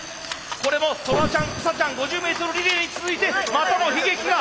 これもトラちゃんウサちゃん５０ｍリレーに続いてまたも悲劇が。